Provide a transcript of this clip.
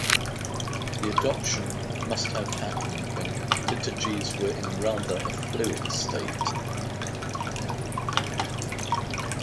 The adoption must have happened when liturgies were in rather a fluid state.